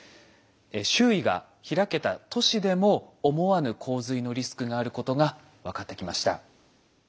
周囲が開けた都市でも思わぬ洪水のリスクがあることが分かってきました。